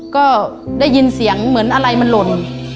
ก็ได้ยินเสียงเหมือนอะไรมันหล่น